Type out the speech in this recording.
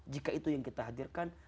jika itu yang kita hadirkan